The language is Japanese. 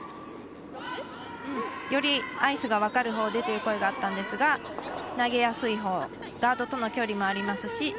よりアイスが分かるほうでという声があったんですが投げやすいほうガードとの距離もありますし